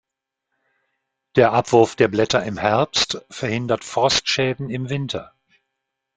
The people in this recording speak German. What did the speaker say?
Der Abwurf der Blätter im Herbst verhindert Frostschäden im Winter.